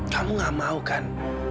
kamu gak mau kan